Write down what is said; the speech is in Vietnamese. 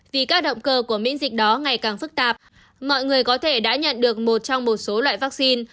vì các động cơ của miễn dịch đó ngày càng phức tạp mọi người có thể đã nhận được một trong một số loại vaccine